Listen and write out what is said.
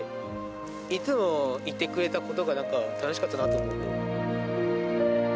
いつもいてくれたことが、なんか楽しかったなと思って。